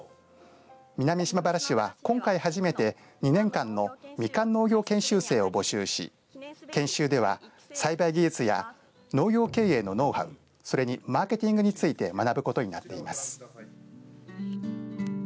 南島原市は、今回初めて２年間のみかん農業研修生を募集し研修では、栽培技術や農業経営のノウハウそれにマーケティングについて学ぶことになっています。